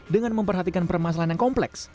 dengan memperhatikan permasalahan yang kompleks